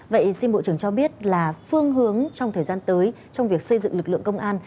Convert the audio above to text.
vậy xin bộ trưởng cho biết là phương hướng trong thời gian tới trong việc xây dựng lực lượng công an